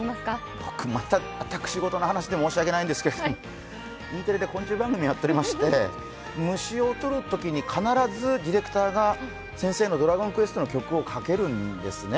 僕また仕事の話で申し訳ないんですけれども、Ｅテレで昆虫番組をやっていまして虫を捕るときに必ずディレクターが先生の「ドラゴンクエスト」の曲を流すんですね。